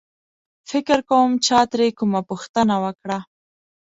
فکر کوم چا ترې کومه پوښتنه وکړه.